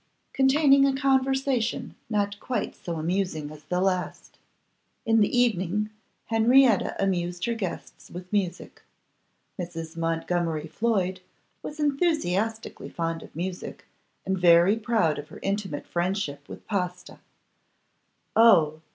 Containing a Conversation Not Quite so Amusing as the Last. IN THE evening Henrietta amused her guests with music. Mrs. Montgomery Floyd was enthusiastically fond of music, and very proud of her intimate friendship with Pasta. 'Oh!